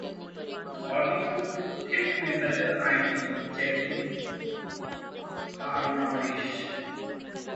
Hollywood film में नजर आयेंगी जैकलिन फार्नांडिस